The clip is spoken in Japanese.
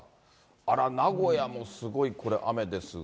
あら、名古屋もすごい、これ、雨ですが。